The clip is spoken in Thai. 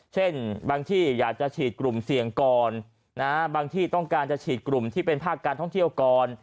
เช่นบางที่อยากจะฉีดกลุ่มเสี่ยงก่อนบางที่ต้องการจะฉีดกลุ่มที่เป็นภาคการท่องเที่ยวก่อน